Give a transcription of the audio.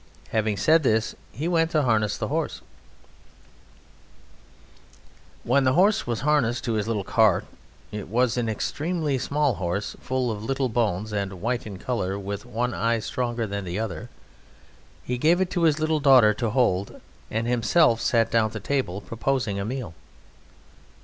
Having said this he went to harness the horse. When the horse was harnessed to his little cart (it was an extremely small horse, full of little bones and white in colour, with one eye stronger than the other) he gave it to his little daughter to hold, and himself sat down to table, proposing a meal.